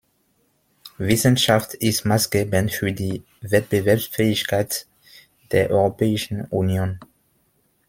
Wissenschaft ist maßgebend für die Wettbewerbsfähigkeit der Europäischen Union.